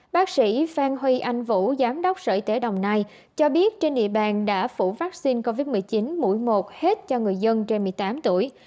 bác sĩ phan huy anh vũ giám đốc sở y tế đồng nai cho biết trên địa bàn đã phủ vaccine covid một mươi chín mũi một hết cho người dân trên một mươi tám tuổi